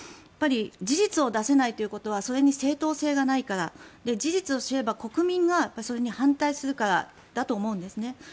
やっぱり事実を出せないということはそれに正当性がないから事実を知れば国民がそれに反対するからだと思うんですね。